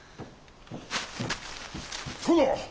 殿。